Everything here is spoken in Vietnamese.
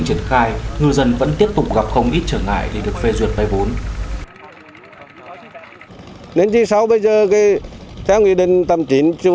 chính phủ tiếp tục ban hành nghị định tám mươi chín